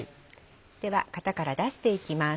では型から出していきます。